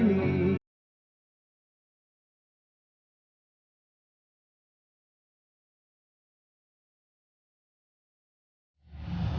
masih pake ditanya